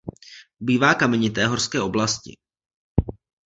Obývá kamenité horské oblasti.